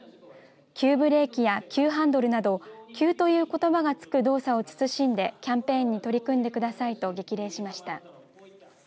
急ブレーキや急ハンドルなど急ということばがつく動作を慎んでキャンペーンに取り組んでくださいと激励しました。